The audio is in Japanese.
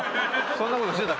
そんな事してた？